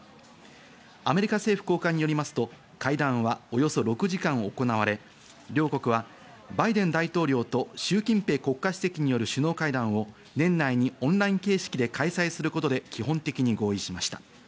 アメリカ政府高官によりますと会談はおよそ６時間行われ、両国はバイデン大統領とシュウ・キンペイ国家主席による首脳会談を年内にオンライン形式で開催することで基本的に合意しました。